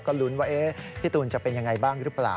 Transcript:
ก็ลุ้นว่าพี่ตูนจะเป็นยังไงบ้างหรือเปล่า